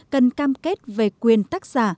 cần cam kết về quyền tác giả